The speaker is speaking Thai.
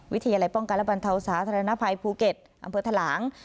วิทยาลัยป้องการระบันเทาสาธารณภัยภูเก็ตอำเภอทะลาง